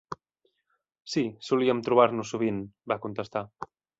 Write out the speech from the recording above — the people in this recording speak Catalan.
"Sí, solíem trobar-nos sovint", va contestar.